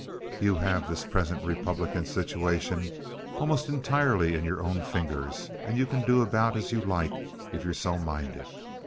You have this present Republican situation almost entirely in your own fingers, and you can do about as you like if you're so minded.